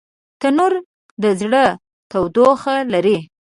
تنور د زړه تودوخه لري